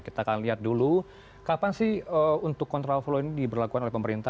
kita akan lihat dulu kapan sih untuk kontrol flow ini diberlakukan oleh pemerintah